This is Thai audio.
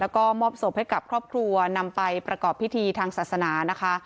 แล้วก็มอบศพให้กับครอบครัวนำไปประกอบพิธีทางศาสนานะคะ